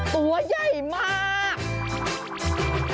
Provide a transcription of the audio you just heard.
ตัวใหญ่มาก